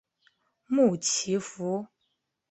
穆奇福。